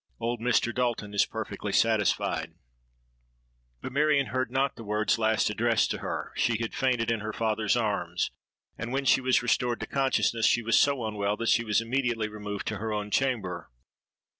Old Mr. Dalton is perfectly satisfied——.' "But Marion heard not the words last addressed to her: she had fainted in her father's arms;—and, when she was restored to consciousness, she was so unwell that she was immediately removed to her own chamber.